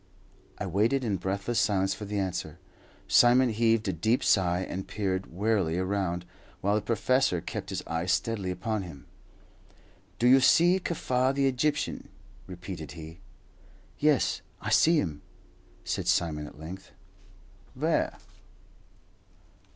I waited in breathless silence for the answer. Simon heaved a deep sigh, and peered wearily around, while the professor kept his eye steadily upon him. "Do you see Kaffar, the Egyptian?" repeated he. "Yes, I see him," said Simon at length. "Where?"